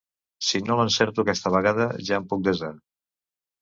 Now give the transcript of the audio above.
Si no l'encerto aquesta vegada, ja em puc desar.